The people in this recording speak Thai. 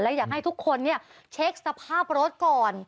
และอยากให้ทุกคนเช็คสภาพรถก่อน